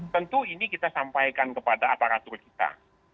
tentu ini kita sampaikan kepada aparatur kita